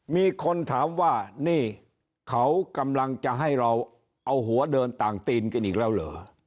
มีคนถามว่านี่เขากำลังจะให้เราเอาหัวเดินต่างตีนกันอีกแล้วเหรอ